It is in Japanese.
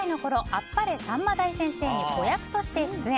「あっぱれさんま大先生」に子役として出演。